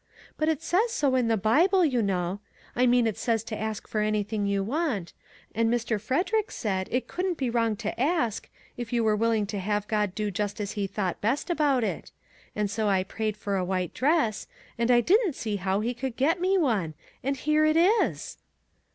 But it says so in the Bible, you know; I mean it says to ask for anything you want, and Mr. Frederick said it couldn't be wrong to ask, if you were willing to have God do just as he thought best about it; and so I prayed for a white dress; and I didn't see how he could get me one, and here it is